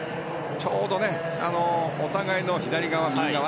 ちょうどお互いの左側右側